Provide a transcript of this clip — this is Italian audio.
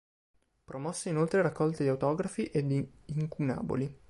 Promosse inoltre raccolte di autografi e di incunaboli.